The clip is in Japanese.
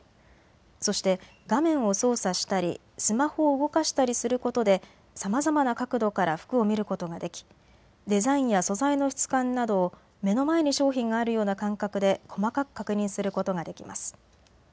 そして画面を操作したりスマホを動かしたりすることでさまざまな角度から服を見ることができデザインや素材の質感などを目の前に商品があるような感覚で細かく確認することができます。